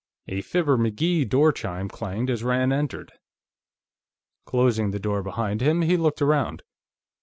A Fibber McGee door chime clanged as Rand entered. Closing the door behind him, he looked around.